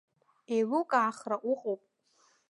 Еилукаахра уҟоуп.